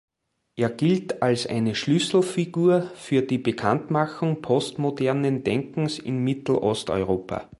Er gilt als eine Schlüsselfigur für die Bekanntmachung postmodernen Denkens in Mittelosteuropa.